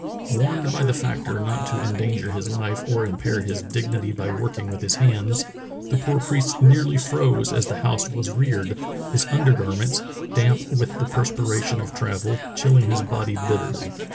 Warned by the factor not to endanger his life or impair his dignit)' by working with his hands, the poor priest 304 True Tales of Arctic Heroism nearly froze as the house was reared, his undergar ments, damp with the perspiration of travel, chilling his body bitterly.